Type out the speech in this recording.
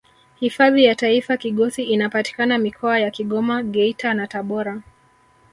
hifadhi ya taifa kigosi inapatikana mikoa ya kigoma geita na tabora